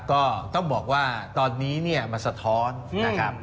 ก็ต้องบอกว่าตอนนี้เนี่ยมันสะท้อนนะครับ